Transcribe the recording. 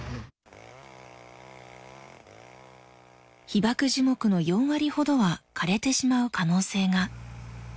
被爆樹木の４割ほどは枯れてしまう可能性が。